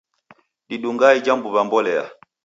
Didungaa ija mbuw'a mbolea.